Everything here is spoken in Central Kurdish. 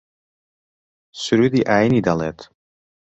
سروودی ئایینی دەڵێت